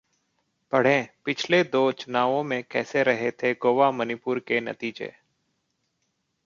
पढ़ें-पिछले दो चुनावों में कैसे रहे थे गोवा-मणिपुर के नतीजे